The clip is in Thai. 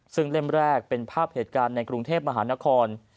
ซึ่งเล่มแรกเป็นภาพเหตุการณ์ในกรุงเทพมหานคร